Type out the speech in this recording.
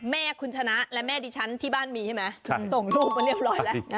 แม่คุณชนะและแม่ดิฉันที่บ้านมีใช่ไหมส่งลูกมาเรียบร้อยแล้ว